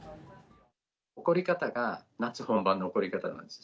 起こり方が夏本番の起こり方なんです。